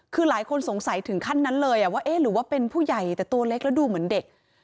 คือหลายคนสงสัยถึงขั้นนั้นเลยว่าเอ๊ะหรือว่าเป็นผู้ใหญ่แต่ตัวเล็กแล้วดูเหมือนเด็ก